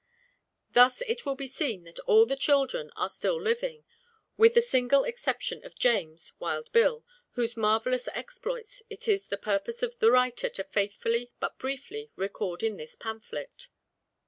Thus it will be seen that all the children are still living, with the single exception of James (Wild Bill,) whose marvelous exploits it is the purpose of the writer to faithfully, but briefly, record in this pamphlet.